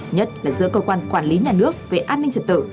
nhất là giữa cơ quan quản lý nhà nước về an ninh trật tự